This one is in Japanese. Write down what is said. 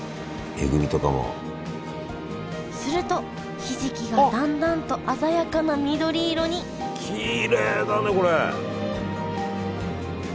するとひじきがだんだんと鮮やかな緑色にきれいだねこれ。